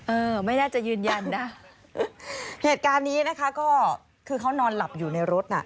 เออไม่น่าจะยืนยันนะเหตุการณ์นี้นะคะก็คือเขานอนหลับอยู่ในรถน่ะ